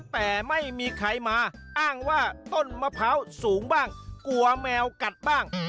แต่ไม่มีใครมาอ้างว่าต้นมะพร้าวสูงบ้างกลัวแมวกัดบ้าง